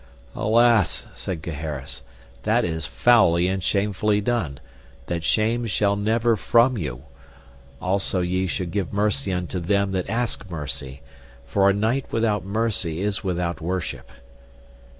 Alas, said Gaheris, that is foully and shamefully done, that shame shall never from you; also ye should give mercy unto them that ask mercy, for a knight without mercy is without worship.